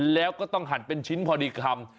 แล้วก็ต้องหั่นเป็นชิ้นพอดีคำ